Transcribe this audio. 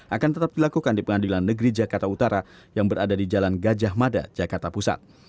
akan tetap dilakukan di pengadilan negeri jakarta utara yang berada di jalan gajah mada jakarta pusat